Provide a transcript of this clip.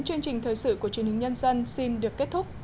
chương trình thời sự của truyền hình nhân dân xin được kết thúc